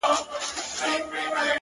هيواد مي هم په ياد دى-